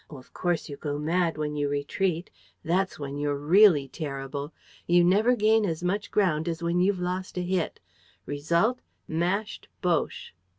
Oh, of course, you go mad when you retreat: that's when you're really terrible! You never gain as much ground as when you've lost a bit. Result: mashed Boches!"